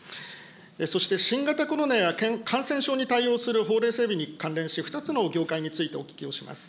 そして新型コロナや感染症に対応する法令整備に関連し、２つの業界についてお聞きをします。